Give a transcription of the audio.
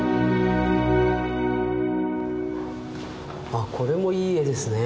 あこれもいい絵ですね。